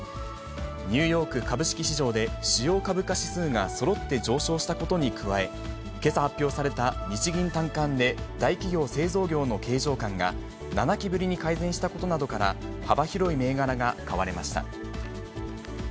ニューヨーク株式市場で主要株価指数がそろって上昇したことに加え、けさ発表された日銀短観で大企業・製造業の景況感が７期ぶりに改善したことなどから幅広い銘柄が買われました。